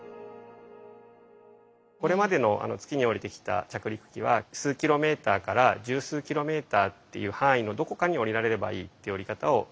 これまでの月に降りてきた着陸機は数キロメーター１０数キロメーターっていう範囲のどこかに降りられればいいっていう降り方をしてきていました。